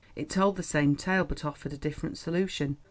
It told the same tale, but offered a different solution.